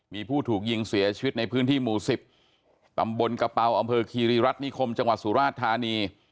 มีผู้ถูกยิงเสียชีวิตในพื้นที่หมู่๑๐ตำบลกระเป๋าอำเภอคีรีรัฐนิคมจังหวัดสุราชธานี